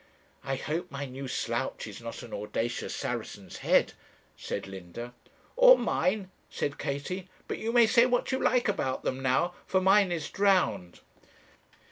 'I hope my new slouch is not an audacious Saracen's head,' said Linda. 'Or mine,' said Katie. 'But you may say what you like about them now; for mine is drowned.'